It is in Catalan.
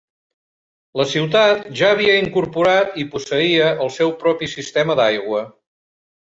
La ciutat ja havia incorporat i posseïa el seu propi sistema d'aigua.